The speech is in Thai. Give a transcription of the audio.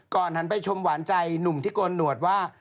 หันไปชมหวานใจหนุ่มที่โกนหนวดว่า